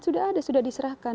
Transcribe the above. sudah ada sudah diserahkan